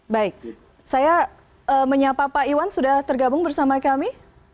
baik saya menyapa pak iwan sudah tergabung bersama kami